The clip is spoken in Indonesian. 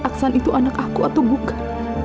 aksan itu anak aku atau bukan